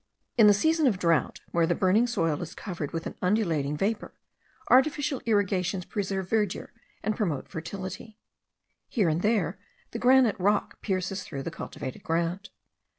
In the season of drought, where the burning soil is covered with an undulating vapour, artificial irrigations preserve verdure and promote fertility. Here and there the granite rock pierces through the cultivated ground.